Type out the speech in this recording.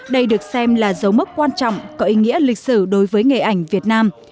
đây được xem là dấu mốc quan trọng có ý nghĩa lịch sử đối với nghề ảnh việt nam